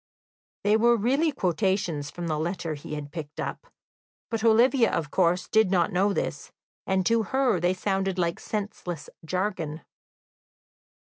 They were really quotations from the letter he had picked up, but Olivia, of course, did not know this, and to her they sounded like senseless jargon.